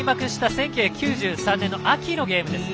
１９９３年の秋のゲームです。